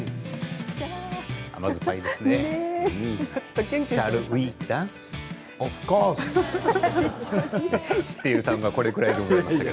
甘酸っぱいですね。